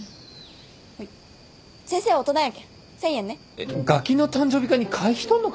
えっガキの誕生日会に会費取んのか！？